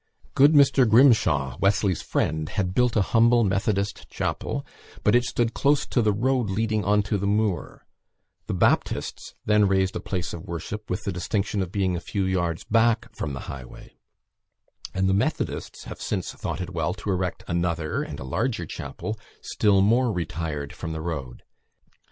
Good Mr. Grimshaw, Wesley's friend, had built a humble Methodist chapel, but it stood close to the road leading on to the moor; the Baptists then raised a place of worship, with the distinction of being a few yards back from the highway; and the Methodists have since thought it well to erect another and a larger chapel, still more retired from the road.